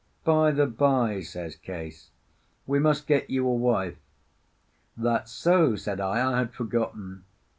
"By the bye," says Case, "we must get you a wife." "That's so," said I; "I had forgotten."